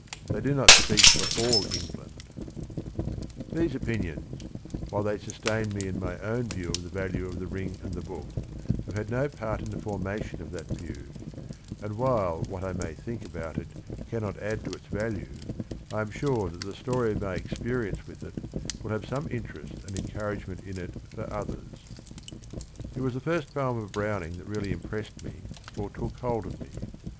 They do not speak for all England. 4 THE RING AND THE BOOK These opinions, while they sustain me in my own view of the value of The Ring and the Book, have had no part in the formation of that view, and while what I may think about it cannot add to its value, I am sure that the story of my ex perience with it will have some interest and en couragement in it for others. It was the first poem of Browning that really impressed me or took hold of me.